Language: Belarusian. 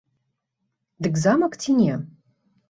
Дык замак ці не?